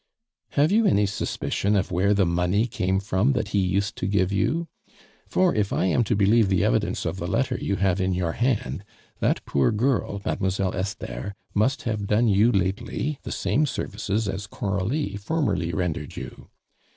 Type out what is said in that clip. "Have you any suspicion of where the money came from that he used to give you? For, if I am to believe the evidence of the letter you have in your hand, that poor girl, Mademoiselle Esther, must have done you lately the same services as Coralie formerly rendered you.